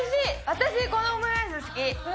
私、このオムライス好き！